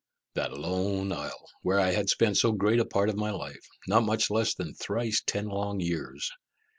That lone isle, where I had spent so great a part of my life not much less than thrice ten long years.